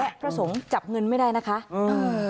และพระสงฆ์จับเงินไม่ได้นะคะอืม